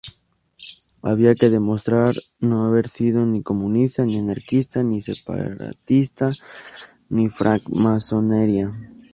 Había que demostrar no haber sido ni comunista, ni anarquista, ni separatista, ni francmasonería.